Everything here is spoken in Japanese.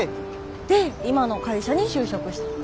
で今の会社に就職したの？